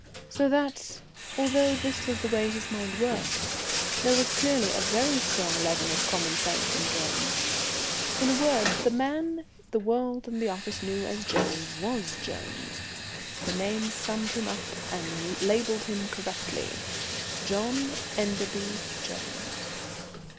So that, although this was the way his mind worked, there was clearly a very strong leaven of common sense in Jones. In a word, the man the world and the office knew as Jones was Jones. The name summed him up and labelled him correctly John Enderby Jones.